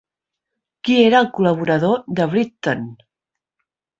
Qui era el col·laborador de Britten?